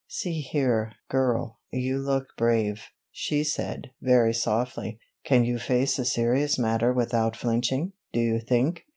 "See here, girl, you look brave," she said, very softly. "Can you face a serious matter without flinching, do you think?